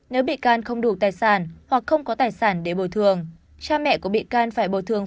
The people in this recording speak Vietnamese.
nếu bị can không đủ tài sản hoặc không có tài sản để bồi thường cha mẹ của bị can phải bồi thường